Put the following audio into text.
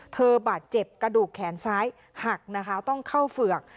บาดเจ็บกระดูกแขนซ้ายหักนะคะต้องเข้าเฝือก